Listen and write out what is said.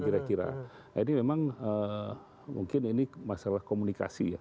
nah ini memang mungkin ini masalah komunikasi ya